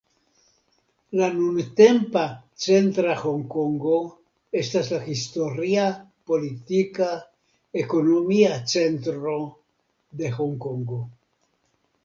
La nuntempa centra Honkongo estas la historia, politika, ekonomia centro de Honkongo.